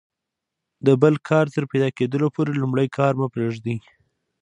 د بل کار تر پیدا کیدلو پوري لومړی کار مه پرېږئ!